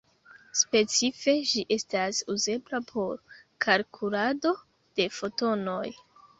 Specife, ĝi estas uzebla por kalkulado de fotonoj.